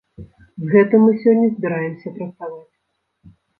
З гэтым мы сёння збіраемся працаваць.